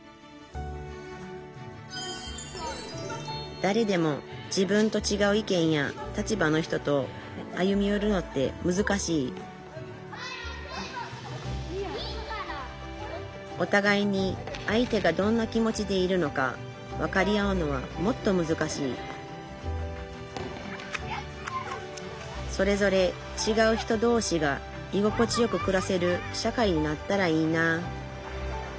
だれでも自分とちがう意見や立場の人と歩みよるのってむずかしいおたがいに相手がどんな気持ちでいるのか分かり合うのはもっとむずかしいそれぞれちがう人同士がいごこちよくくらせる社会になったらいいなあ